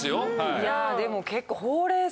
いやでも結構。